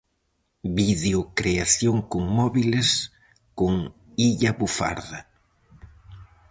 Videocreación con móbiles, con Illa Bufarda.